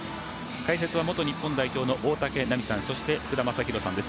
解説は元日本代表の大竹七未さんそして福田正博さんです。